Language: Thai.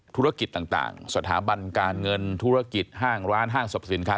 ธุรกิจต่างสถาบันการเงินธุรกิจห้างร้านห้างสรรพสินค้า